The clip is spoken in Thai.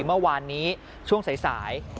เมื่อวานนี้ช่วงสาย